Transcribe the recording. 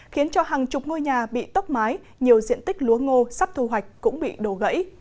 khiến cho hàng chục ngôi nhà bị tốc mái nhiều diện tích lúa ngô sắp thu hoạch cũng bị đổ gãy